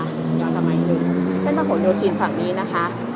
เดี๋ยวเอาต่อไปให้ดูเส้นพระโหดโยธินฝั่งนี้นะคะ